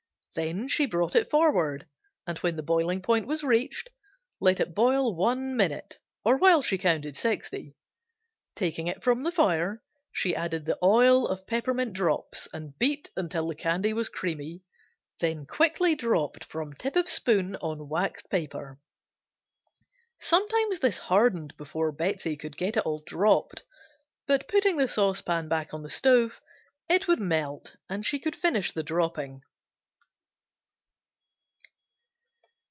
Then she brought it forward and when the boiling point was reached, let it boil one minute, or while she counted sixty. Taking it from the fire, she added the oil of peppermint drops and beat until the candy was creamy, then quickly dropped from tip of spoon on waxed paper. Sometimes this hardened before Betsey could get it all dropped, but putting the saucepan back on the stove, it would melt and she could finish the dropping.